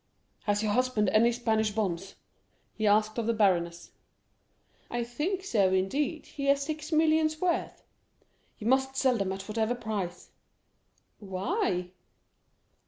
"Has your husband any Spanish bonds?" he asked of the baroness. "I think so, indeed! He has six millions' worth." "He must sell them at whatever price." "Why?"